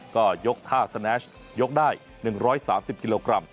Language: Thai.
ก็ยกท่าสแนชยกได้๑๓๐กิโลกรัม